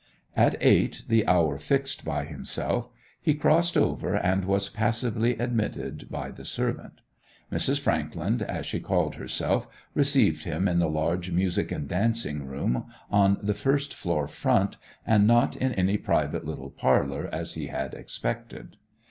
At eight, the hour fixed by himself, he crossed over and was passively admitted by the servant. Mrs. Frankland, as she called herself, received him in the large music and dancing room on the first floor front, and not in any private little parlour as he had expected.